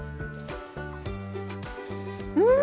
うん！